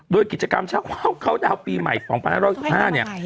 โดยกิจกรรมเช้าเข้าดาวน์ปีใหม่๒๕๖๕เนี่ย